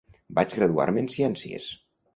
Vaig graduar-me en ciències.